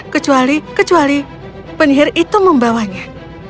kecuali kecuali penyihir itu membawanya